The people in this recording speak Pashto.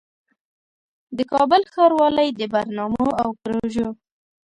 د کابل ښاروالۍ د برنامو او پروژو